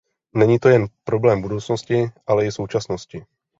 Není to jen problém budoucnosti, ale i současnosti.